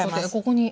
ここに。